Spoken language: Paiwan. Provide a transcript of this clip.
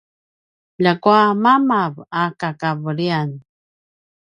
ljakua mamav a kakavelian